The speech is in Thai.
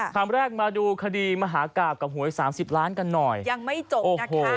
คำแรกมาดูคดีมหากราบกับหวยสามสิบล้านกันหน่อยยังไม่จบนะครับโอ้โห